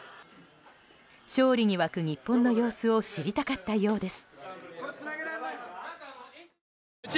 勝利に沸く日本の様子を知りたかったようです。